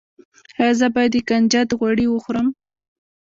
ایا زه باید د کنجد غوړي وخورم؟